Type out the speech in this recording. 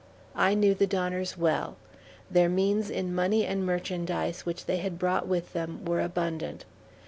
I knew the Donners well; their means in money and merchandise which they had brought with them were abundant.